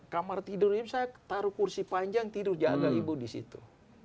kamar tidur ibu saya taruh kursi panjang tidur jaga ibu di situ